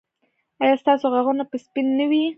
ایا ستاسو غاښونه به سپین نه وي؟